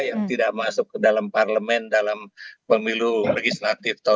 yang tidak masuk ke dalam parlemen dalam pemilu legislatif tahun dua ribu dua puluh